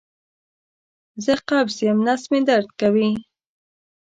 زه قبض یم نس مې درد کوي